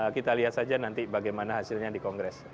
kita lihat saja nanti bagaimana hasilnya di kongres